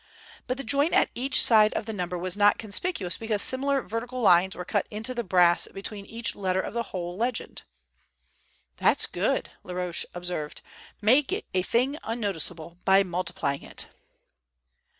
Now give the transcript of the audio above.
But the joint at each side of the number was not conspicuous because similar vertical lines were cut into the brass between each letter of the whole legend. "That's good," Laroche observed. "Make a thing unnoticeable by multiplying it!"